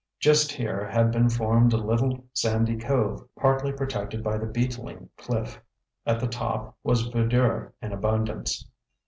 Just here had been formed a little sandy cove partly protected by the beetling cliff. At the top was verdure in abundance.